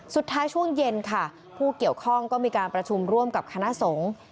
ช่วงเย็นค่ะผู้เกี่ยวข้องก็มีการประชุมร่วมกับคณะสงฆ์